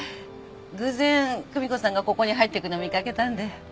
偶然久美子さんがここに入っていくの見掛けたんで。